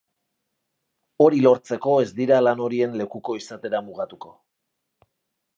Hori lortzeko ez dira lan horien lekuko izatera mugatuko.